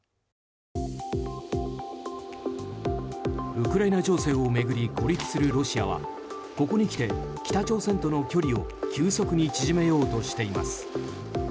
ウクライナ情勢を巡り孤立するロシアはここにきて北朝鮮との距離を急速に縮めようとしています。